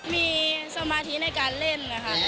มีสมาธิในการเล่น